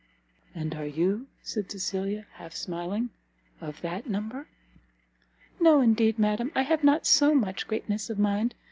"And are you," said Cecilia, half smiling, "of that number?" "No, indeed, madam! I have not so much greatness of mind.